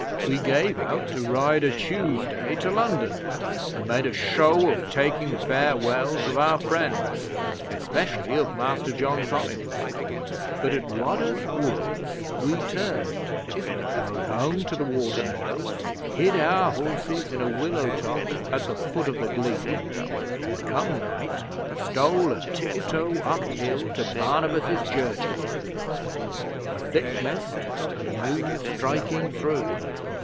We gave out to ride o' Tuesday to London and made a show of taking farewells of our friends especially of Master John Collins. But at Wadhurst Woods we turned; rode home to the watermeadows; hid our horses in a willow tot at the foot of the glebe, and, come night, stole a tiptoe up hill to Barnabas' church again. A thick mist, and a moon striking through.